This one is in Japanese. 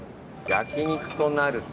焼肉となると。